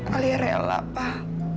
alia rela pak